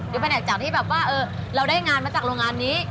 แผนกจากที่แบบว่าเราได้งานมาจากโรงงานนี้